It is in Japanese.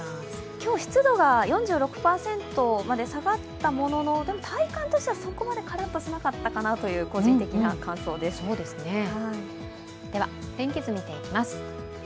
今日、湿度が４６％まで下がったものの体感としてはそこまでカラッとしなかったという、個人的な感想ですでは天気図、見ていきます。